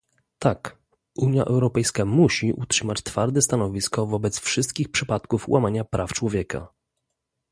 Tak, Unia Europejska musi utrzymać twarde stanowisko wobec wszystkich przypadków łamania praw człowieka